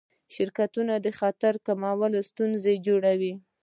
شرکتونه د خطر کمولو ستراتیژي جوړوي.